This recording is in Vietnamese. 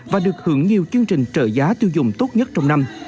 và được hưởng nhiều chương trình trợ giá tiêu dùng tốt nhất trong năm